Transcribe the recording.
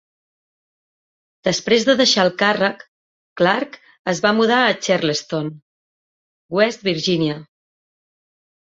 Després de deixar el càrrec, Clark es va mudar a Charleston, West Virginia.